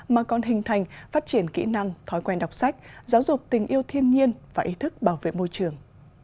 mà còn hình thành phát triển kỹ năng thói quen đọc sách giáo dục tình yêu thiên nhiên và ý thức bảo vệ môi trường